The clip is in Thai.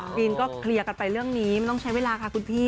ปีนก็เคลียร์กันไปเรื่องนี้ไม่ต้องใช้เวลาค่ะคุณพี่